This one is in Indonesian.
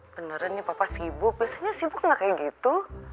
beneran nih papa sibuk biasanya sibuk nggak kayak gitu